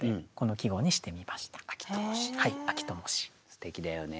すてきだよね。